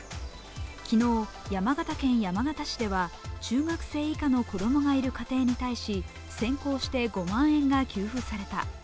昨日、山形県山形市では中学生以下の子供がいる家庭に対し先行して５万円が給付された。